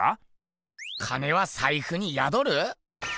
金はさいふにやどる？